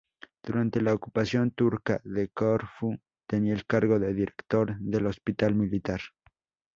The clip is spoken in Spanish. Durante la ocupación turca de Corfú tenía el cargo de director del hospital militar.